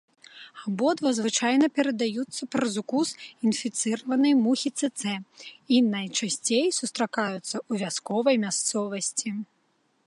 Абодва звычайна перадаюцца праз укус інфіцыраванай мухі цэцэ і найчасцей сустракаюцца ў вясковай мясцовасці.